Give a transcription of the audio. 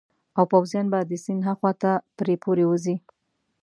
او پوځیان به د سیند هاخوا ته پرې پورې ووزي.